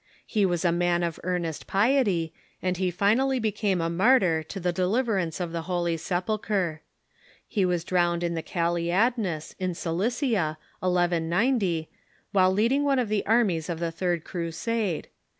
He was a man of earnest piety, and he fin.ally became a martyr to the deliverance of the Holy Sepulchre. He was drowned in the Calycadnus, in Cilicia, 1190, while leading one of the armies of the third Crusade.